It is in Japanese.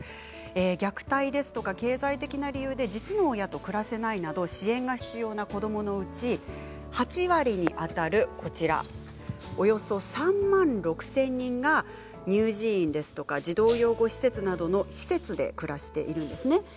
虐待ですとか経済的な理由で実の親と暮らせないなど支援が必要な子どものうち８割に当たるおよそ３万６０００人が乳児院や児童養護施設などの施設で暮らしているんです。